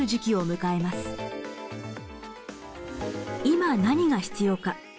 今何が必要か。